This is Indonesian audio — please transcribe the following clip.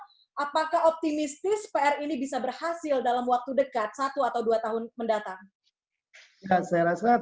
apakah optimistis pr ini bisa berhasil dalam waktu dekat satu atau dua tahun mendatang